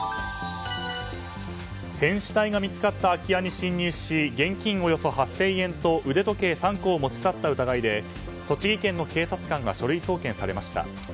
変死体が見つかった空家に侵入し現金およそ８０００円と腕時計３個を持ち去った疑いで栃木県の警察官が書類送検されました。